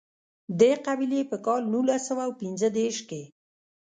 دې قبیلې په کال نولس سوه پېنځه دېرش کې.